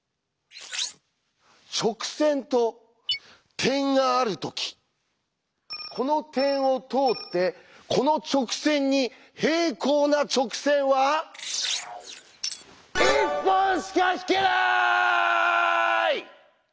「直線と点があるときこの点を通ってこの直線に平行な直線は１本しか引けない」！